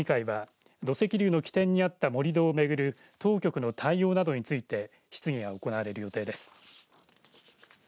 熱海市議会は土石流の起点になった盛り土をめぐる当局の対応などについて質疑が行われる予定です。